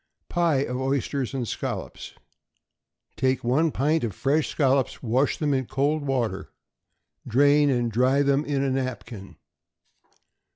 =Pie of Oysters and Scallops.= Take one pint of fresh scallops, and wash them in cold water; drain, and dry them in a napkin.